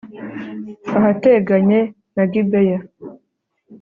ahateganye na gibeya